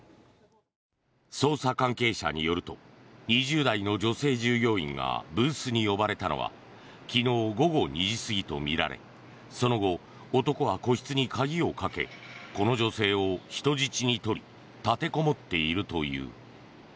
捜査関係者によると２０代の女性従業員がブースに呼ばれたのは昨日午後２時過ぎとみられその後、男は個室に鍵をかけこの女性を人質に取り立てこもっているという。